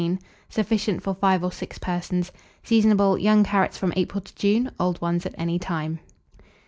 Sufficient for 5 or 6 persons. Seasonable. Young carrots from April to June, old ones at any time.